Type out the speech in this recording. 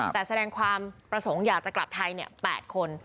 แต่แสดงความประสงค์อยากจะกลับไทย๘คน